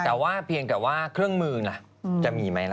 แต่ว่าเพียงแต่ว่าเครื่องมือล่ะจะมีไหมล่ะ